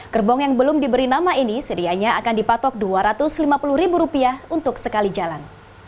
gerbong yang belum diberi nama ini sedianya akan dipatok rp dua ratus lima puluh untuk sekali jalan